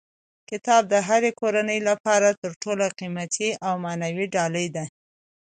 کتاب د هرې کورنۍ لپاره تر ټولو قیمتي او معنوي ډالۍ ده.